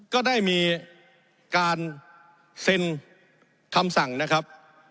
ก็ได้มีการเซ็นคำสั่งนะครับ